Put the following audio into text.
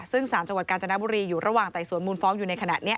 ซึ่งสารจังหวัดกาญจนบุรีอยู่ระหว่างไต่สวนมูลฟ้องอยู่ในขณะนี้